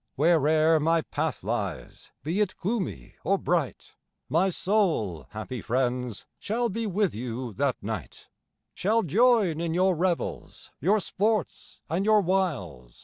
Where'er my path lies, be it gloomy or bright, My soul, happy friends, shall be with you that night ; Shall join in your revels, your sports and your wiles.